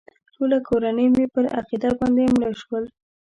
ټوله کورنۍ مې پر عقیده باندې مړه شول.